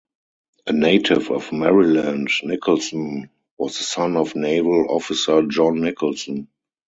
A native of Maryland, Nicholson was the son of naval officer John Nicholson.